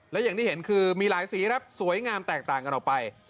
และอย่างที่เห็นคือมีหลายสีครับสวยงามแตกต่างกันออกไป